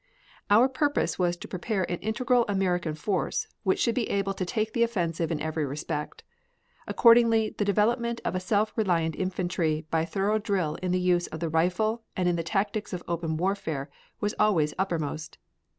Our purpose was to prepare an integral American force, which should be able to take the offensive in every respect. Accordingly, the development of a self reliant infantry by thorough drill in the use of the rifle and in the tactics of open warfare was always uppermost.